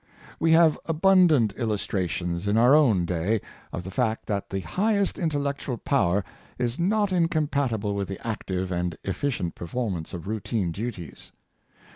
We have abundant illustrations, in our own day, of the fact that the highest intellectual power is not incom patible with the active and efficient performance of routine duties.